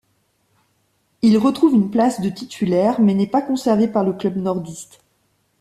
Il retrouve une place de titulaire mais n'est pas conservé par le club nordiste.